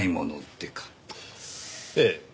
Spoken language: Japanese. ええ。